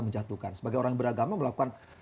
menjatuhkan sebagai orang beragama melakukan